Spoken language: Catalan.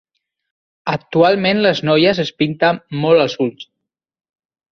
Actualment les noies es pinten molt els ulls.